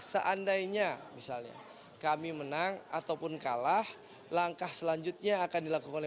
seandainya misalnya kami menang ataupun kalah langkah selanjutnya akan dilakukan